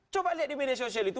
coba lihat di media sosial itu